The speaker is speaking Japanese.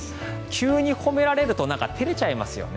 急に褒められると照れちゃいますよね。